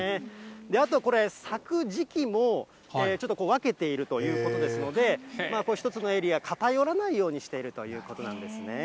あとこれ、咲く時期もちょっと分けているということですので、１つのエリアに偏らないようにしているということなんですね。